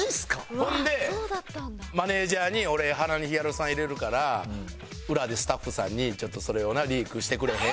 ほんでマネジャーに「俺鼻にヒアルロン酸入れるから裏でスタッフさんにちょっとそれをなリークしてくれへん？」。